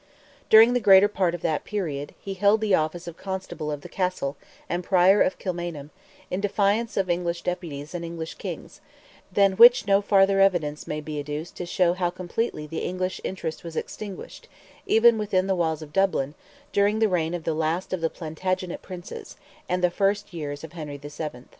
During the greater part of that period, he held the office of Constable of the Castle and Prior of Kilmainham, in defiance of English Deputies and English Kings; than which no farther evidence may be adduced to show how completely the English, interest was extinguished, even within the walls of Dublin, during the reign of the last of the Plantagenet Princes, and the first years of Henry VII.